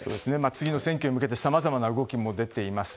次の選挙に向けてさまざまな動きも出ています。